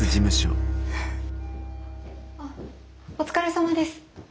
あっお疲れさまです。